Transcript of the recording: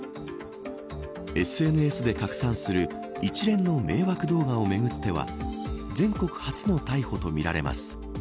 ＳＮＳで拡散する一連の迷惑動画をめぐっては全国初の逮捕とみられます。